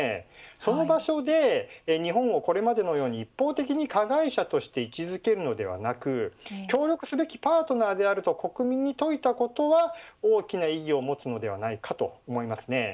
その場所で日本を、これまでのように一方的に加害者として位置付けるのではなく協力すべきパートナーであると国民に説いたことは大きな意義を持つのではないかと思いますね。